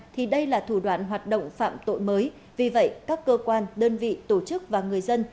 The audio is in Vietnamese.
thì đây là thủ đoạn hoạt động phạm tội mới vì vậy các cơ quan đơn vị tổ chức và người dân